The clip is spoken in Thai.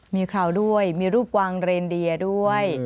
มีคราวด้วยมีรูปวางเรนเดียด้วย